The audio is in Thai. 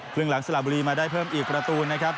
ครึ่งหลังสละบุรีมาได้เพิ่มอีกประตูนะครับ